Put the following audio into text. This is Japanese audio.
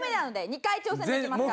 ２回挑戦できますから。